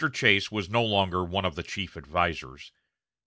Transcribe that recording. Chase was no longer one of the chief advisers.